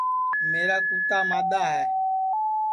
مھارا کُوتا مادؔا ہے